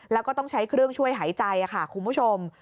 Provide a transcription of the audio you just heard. แล้วก็ต้องใช้เครื่องช่วยหายใจค่ะคุณผู้ชม